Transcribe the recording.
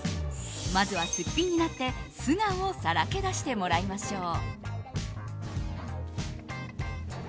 まずは、すっぴんになって素顔をさらけ出してもらいましょう。